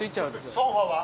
ソンファは？